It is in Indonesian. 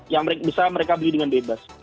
yang bisa mereka beli dengan bebas